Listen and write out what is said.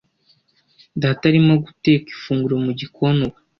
Data arimo guteka ifunguro mu gikoni ubu.